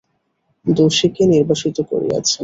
দোষীকে নির্বাসিত করিয়াছেন।